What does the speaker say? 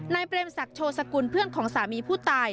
เปรมศักดิ์โชสกุลเพื่อนของสามีผู้ตาย